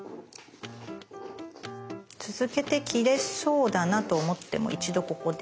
続けて切れそうだなと思っても一度ここで。